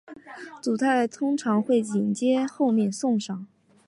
主菜通常会紧接着后面送上。